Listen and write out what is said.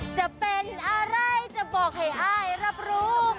จะเป็นอะไรจะบอกให้อายรับรู้